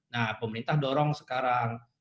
nah pemerintah dorong sekarang